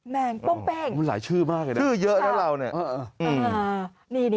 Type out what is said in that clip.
แมงโป้งเป้งหลายชื่อมากเลยนะชื่อเยอะนะเราเนี่ย